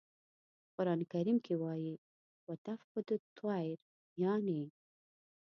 په قرآن کریم کې وایي "و تفقد الطیر" یانې.